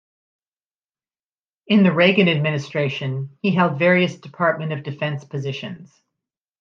In the Reagan administration, he held various Department of Defense positions.